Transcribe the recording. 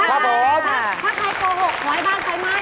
ถ้าใครโกหกขอให้บ้านใครไม่